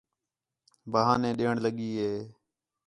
بہانے ݙیݨ لڳی ہِے